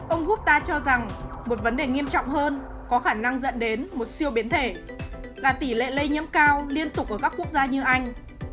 ông gutta cho rằng một vấn đề nghiêm trọng hơn có khả năng dẫn đến một siêu biến thể là tỷ lệ lây nhiễm cao liên tục ở các quốc gia như anh